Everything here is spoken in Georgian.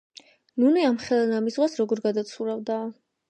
ნუნე ამხელა ნამის ზღვას როგორ გადაცურავდა?